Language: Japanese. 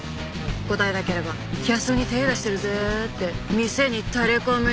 答えなければキャストに手ぇ出してるぜって店にタレ込むよ？